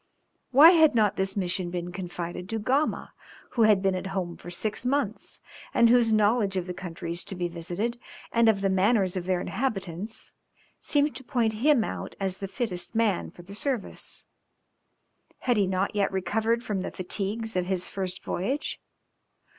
Why had not this mission been confided to Gama, who had been at home for six months, and whose knowledge of the countries to be visited and of the manners of their inhabitants, seemed to point him out as the fittest man for the service? Had he not yet recovered from the fatigues of his first voyage?